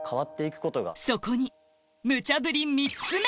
そこにムチャ振り３つ目！